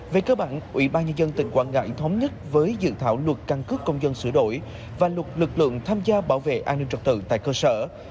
về cơ bản ubnd tỉnh quảng ngãi thống nhất với dự thảo luật căn cướp công dân sửa đổi và luật lực lượng tham gia bảo vệ an ninh trật tự tại cơ sở